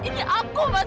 ini aku mas